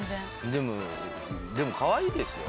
でもでもかわいいですよ。